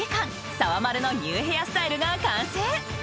さわまるのニューヘアスタイルが完成］